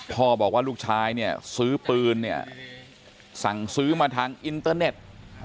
พ่อบอกว่าลูกชายเนี่ยซื้อปืนเนี่ยสั่งซื้อมาทางอินเตอร์เน็ต